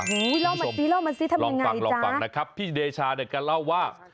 เล่ามาสิเล่ามาสิทำไมลองฟังลองฟังนะครับพี่เดชาเนี่ยแกเล่าว่า